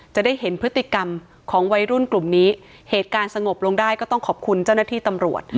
จะได้เห็นพฤติกรรมของวัยรุ่นกลุ่มนี้เหตุการณ์สงบลงได้ก็ต้องขอบคุณเจ้าหน้าที่ตำรวจ